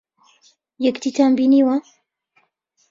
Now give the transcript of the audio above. یەکدیتان بینیوە؟